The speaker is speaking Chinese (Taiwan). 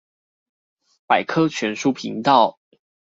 百科全書頻道